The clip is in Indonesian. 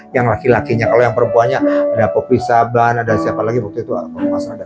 yang laki lakinya kalau yang perempuannya ada popisaban ada siapa lagi begitu atau mas ada